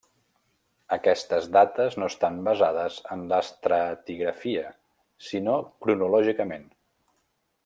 Aquestes dates no estan basades en l'estratigrafia sinó cronològicament.